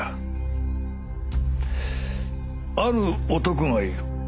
ある男がいる。